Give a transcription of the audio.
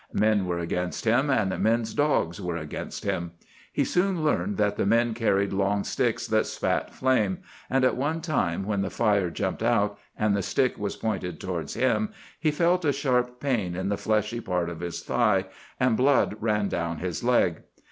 Men were against him, and men's dogs were against him. He soon learned that the men carried long sticks that spat flame, and at one time when the fire jumped out, and the stick was pointed towards him, he felt a sharp pain in the fleshy part of his thigh, and blood ran down his leg.